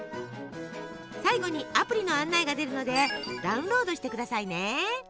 最後にアプリの案内が出るのでダウンロードしてくださいね。